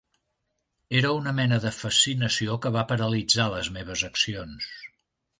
Era una mena de fascinació que va paralitzar les meves accions.